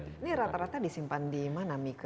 ini rata rata disimpan di mana mika